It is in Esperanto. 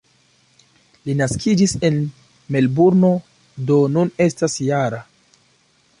Li naskiĝis en Melburno, do nun estas -jara.